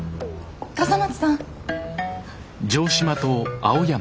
笠松さん。